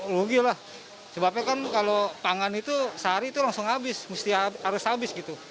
rugi lah sebabnya kan kalau pangan itu sehari itu langsung habis harus habis gitu